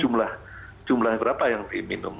dan jumlahnya berapa yang diminum